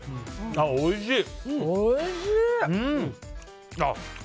おいしい！